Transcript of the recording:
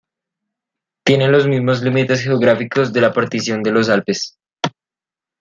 Tiene los mismos límites geográficos de la Partición de los Alpes.